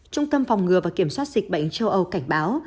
trung tâm phòng ngừa và kiểm soát dịch bệnh châu âu cảnh báo